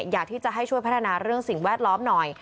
อยากที่จะให้ช่วยพัฒนาเรื่องสิ่งแวดล้อมหน่อย